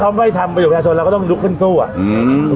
เขาไม่ทำประโยชนประชาชนเราก็ต้องลุกขึ้นสู้อ่ะอืม